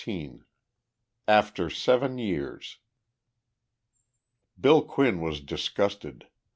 XVI AFTER SEVEN YEARS Bill Quinn was disgusted.